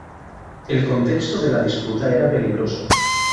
El contexto de la disputa era peligroso.